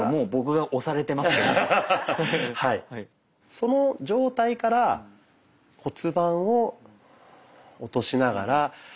その状態から骨盤を落としながら。